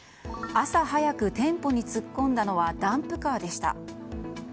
朝早く店舗に突っ込んだのはダンプカーでした。